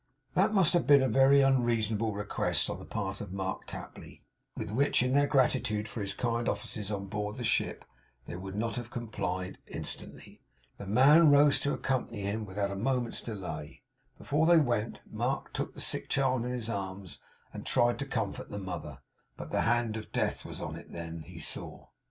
That must have been a very unreasonable request on the part of Mark Tapley, with which, in their gratitude for his kind offices on board the ship, they would not have complied instantly. The man rose to accompany him without a moment's delay. Before they went, Mark took the sick child in his arms, and tried to comfort the mother; but the hand of death was on it then, he saw.